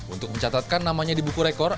untuk mencatatkan namanya di buku rekor